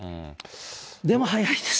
でも早いです。